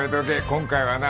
今回はな